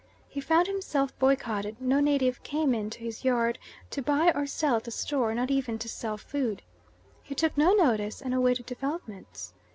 He found himself boycotted; no native came in to his yard to buy or sell at the store, not even to sell food. He took no notice and awaited developments.